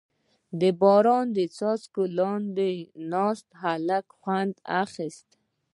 • د باران د څاڅکو لاندې ناست هلک خوند اخیست.